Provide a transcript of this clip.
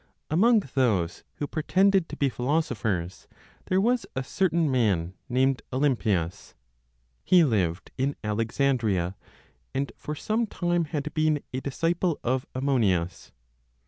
Among those who pretended to be philosophers, there was a certain man named Olympius. He lived in Alexandria, and for some time had been a disciple of Ammonius.